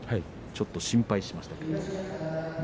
ちょっと心配しましたけれど。